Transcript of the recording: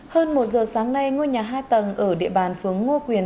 hơn một giờ sáng nay ngôi nhà hai tầng ở địa bàn phướng ngô quyền